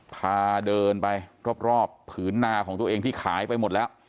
พาเดินไปรอบผืนนาของตัวเองที่ขายไปหมดแล้ว